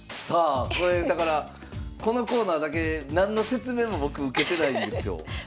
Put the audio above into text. さあこれだからこのコーナーだけ何の説明も僕受けてないんですよ。